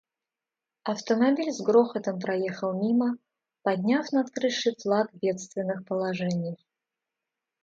Автомобиль с грохотом проехал мимо, подняв над крышей флаг бедственных положений.